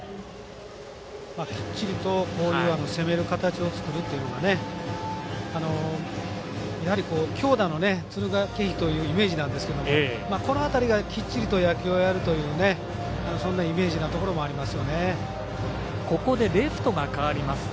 きっちりとこういう攻める形を作る強打の敦賀気比というイメージなんですけどこの辺りがきっちりと野球をやるというそんなイメージなところもありますね。